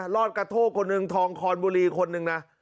รอดกระโทกคนหนึ่งทองคอนบุรีคนหนึ่งนะ